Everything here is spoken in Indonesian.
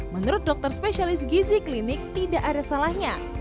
menurut dokter spesialis gizi klinik tidak ada salahnya